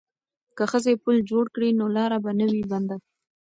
که ښځې پل جوړ کړي نو لاره به نه وي بنده.